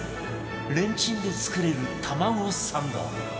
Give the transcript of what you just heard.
レンチンで作れる玉子サンド